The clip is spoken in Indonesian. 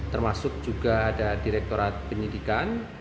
termasuk juga ada direktorat penyidikan